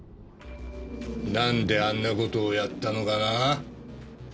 なんであんな事をやったのかな？